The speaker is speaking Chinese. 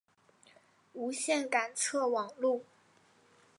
无线感测网路。